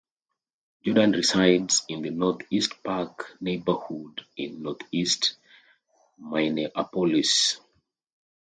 Jordan resides in the Northeast Park neighborhood in Northeast Minneapolis.